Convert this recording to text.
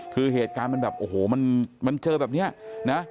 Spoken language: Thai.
คือเหตุการณ์มันแบบโอ้โหมันเจอแบบนี้นะ